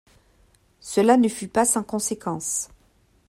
Cela ne fut pas sans conséquences.